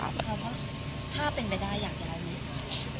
ถ้าเป็นไปได้อยากย้ายดี